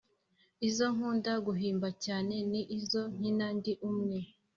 izo nkunda guhimba cyane ni izo nkina ndi umwe